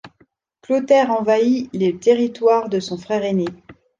Clotaire envahit le territoire de son frère aîné.